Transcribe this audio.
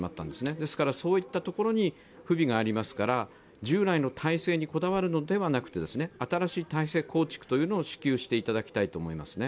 ですからそういったところに不備がありますから従来の体制にこだわるのではなくて、新しい体制構築を至急していただきたいと思いますね。